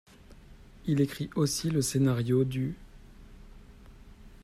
Il écrit aussi le scénario du ''.